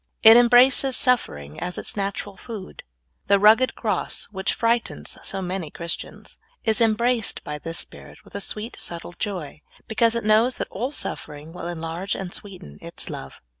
It embraces suffering as its natural food. The rug ged cross, which frightens so many Christians, is em braced b}^ this spirit with a sweet, subtle joy, because it knows that all suffering will enlarge and sweeten its love.